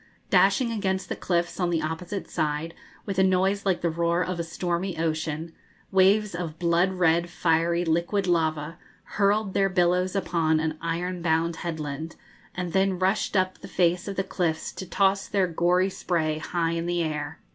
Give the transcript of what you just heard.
Dashing against the cliffs on the opposite side, with a noise like the roar of a stormy ocean, waves of blood red, fiery, liquid lava hurled their billows upon an iron bound headland, and then rushed up the face of the cliffs to toss their gory spray high in the air.